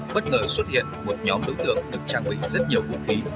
bất ngờ xuất hiện một nhóm đối tượng được trang bị rất nhiều vũ khí